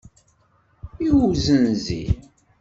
I uzenzi?